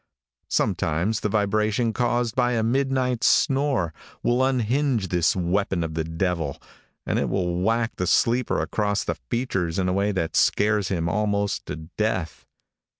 Sometimes the vibration caused by a midnight snore, will unhinge this weapon of the devil, and it will whack the sleeper across the features in a way that scares him almost to death.